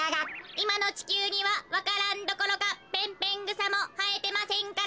いまのちきゅうにはわか蘭どころかペンペングサもはえてませんからね。